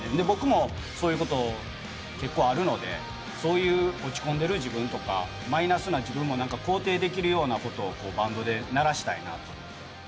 僕もそういうこと結構あるのでそういう落ち込んでる自分とかマイナスな自分も肯定できるようなことをバンドで鳴らしたいなと。